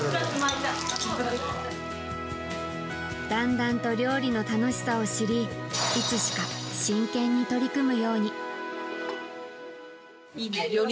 だんだんと料理の楽しさを知りいつしか真剣に取り組むように。